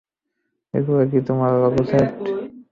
এগুলা কি তোমার লেগো সেট?